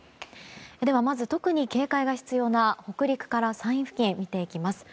ではまず特に警戒が必要な北陸から山陰付近を見ていきます。